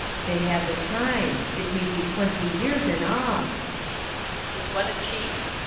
They had the time : it may be twenty years, in all. HELENA. Is one a Chief?